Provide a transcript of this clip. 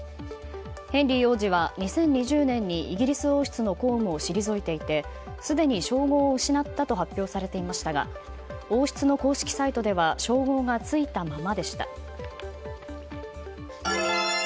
ヘンリー王子は２０２０年にイギリス王室の公務を退いていてすでに称号を失ったと発表されていましたが王室の公式サイトでは称号がついたままでした。